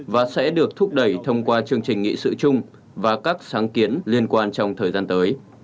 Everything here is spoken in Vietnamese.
và sẽ được thúc đẩy thông qua chương trình nghị sự chung và các sáng kiến liên quan trong thời gian tới